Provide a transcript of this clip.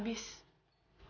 aku udah cewek kayak gini